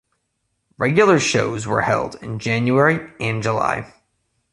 Regular shows were held in January and July.